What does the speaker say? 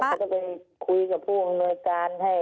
แล้วก็ไปคุยกับผู้อำนวยการให้